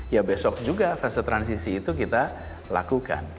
ya besok juga fase transisi itu kita lakukan